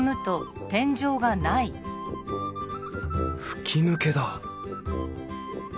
吹き抜けだ